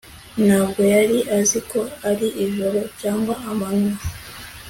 Ntabwo yari azi ko ari ijoro cyangwa amanywa